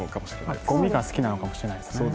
ゴミが好きなのかもしれないですね。